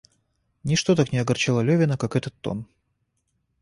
Ничто так не огорчало Левина, как этот тон.